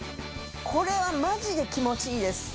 これはマジで気持ちいいです。